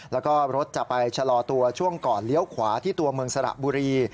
แล้วก็รถจะไปชะลอตัวช่วงก่อนเลี้ยวขวาที่ตัวเมืองสระบุรี